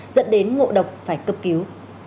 dẫn đến ngộ độc phải cấp cứu